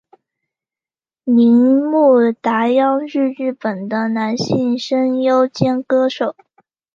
铃木达央是日本的男性声优兼歌手。